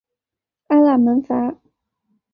阿拉门戈。